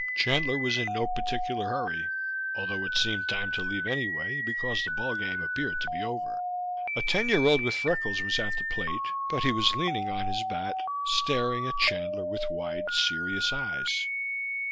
Chandler was in no particular hurry, although it seemed time to leave anyway, because the ball game appeared to be over. A ten year old with freckles on his face was at the plate, but he was leaning on his bat, staring at Chandler with wide, serious eyes.